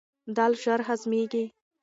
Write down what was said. دال ژر هضمیږي.